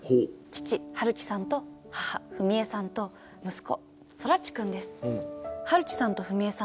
父晴樹さんと母史恵さんと息子空知くんです。